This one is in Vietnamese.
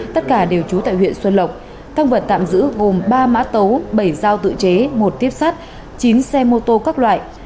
tất cả đều trú tại huyện xuân lộc tăng vật tạm giữ gồm ba mã tấu bảy dao tự chế một tiếp sắt chín xe mô tô các loại